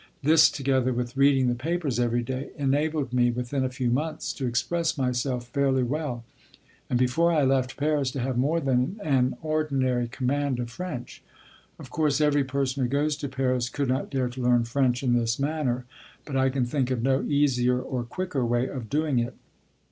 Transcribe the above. This, together with reading the papers every day, enabled me within a few months to express myself fairly well, and, before I left Paris, to have more than an ordinary command of French. Of course, every person who goes to Paris could not dare to learn French in this manner, but I can think of no easier or quicker way of doing it.